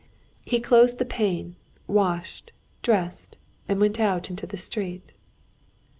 He closed the pane, washed, dressed, and went out into the street.